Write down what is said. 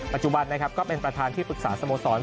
ปัจจุบันนะครับก็เป็นประธานที่ปรึกษาสโมสร